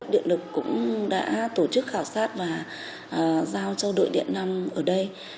điện lực cũng đã tổ chức khảo sát và giao cho đội điện năm ở đây